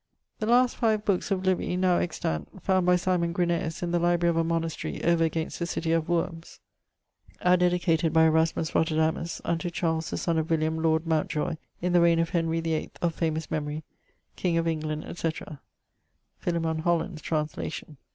'The last five bookes of Livy nowe extant, found by Symon Grinaeus in the library of a monastery over against the citie of Wormbs, are dedicated by Erasmus Roterodamus unto Charles the son of William lord Montjoy in the reigne of Henry the eight of famous memory, king of England, etc.' Philemon Holland's translation.